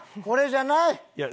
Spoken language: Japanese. これじゃない！